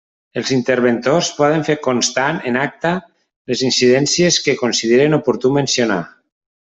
Els interventors poden fer constar en l'acta les incidències que consideren oportú mencionar.